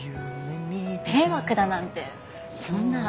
迷惑だなんてそんな。